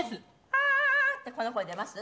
「アアー」ってこの声出ます？